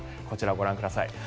こちらご覧ください。